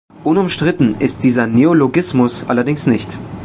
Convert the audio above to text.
Unumstritten ist dieser Neologismus allerdings nicht.